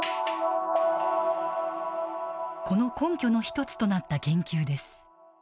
この根拠の一つとなった研究です。